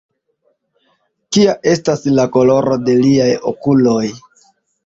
Kia estas la koloro de liaj okuloj?